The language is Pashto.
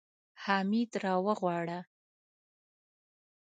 حميد راوغواړه.